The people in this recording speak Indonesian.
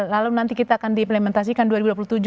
lalu nanti kita akan diimplementasikan dua ribu dua puluh tujuh